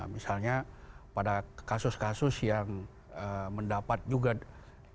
misalnya pada kasus kasus yang mendapat juga dukungan dari orang lain